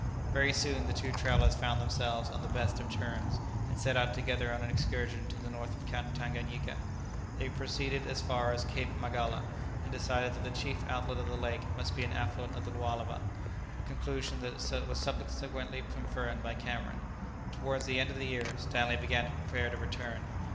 Very soon the two travellers found themselves on the best of terms, and set out together on an excursion to the north of Tanganyika. They proceeded as far as Cape Magala, and decided that the chief outlet of the lake must be an affluent of the Lualaba, a conclusion that was subsequently confirmed by Cameron. Towards the end of the year Stanley began to prepare to return.